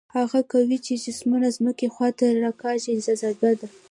هغه قوه چې جسمونه ځمکې خواته راکاږي جاذبه ده.